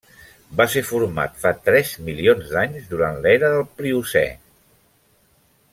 Va ser format fa tres milions d'anys durant l'era del Pliocè.